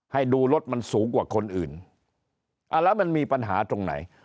ให้ดูรถมันสูงกว่าคนอื่นอ่าแล้วมันมีปัญหาตรงไหน